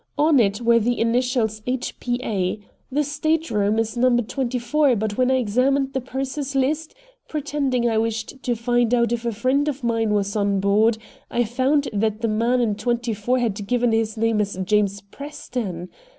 On it were the initials H. P. A. The stateroom is number twenty four, but when I examined the purser's list, pretending I wished to find out if a friend of mine was on board, I found that the man in twenty four had given his name as James Preston.